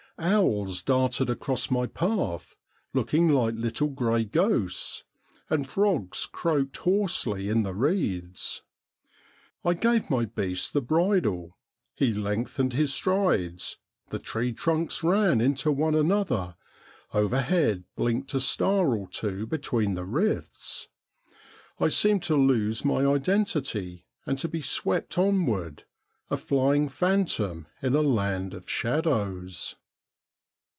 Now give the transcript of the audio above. Owls darted across my path, looking like little grey ghosts, and frogs croaked hoarsely in the reeds. I gave my beast the bridle, he lengthened his strides, the tree trunks ran into one another, overhead blinked a star or two between the rifts ; I seemed to lose my identity and to be swept onward, a flying phantom in a land of shadows.